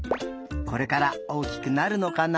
これから大きくなるのかな？